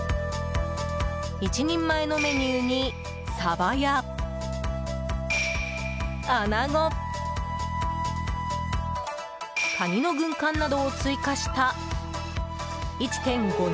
１人前のメニューにサバや、アナゴカニの軍艦などを追加した１．５人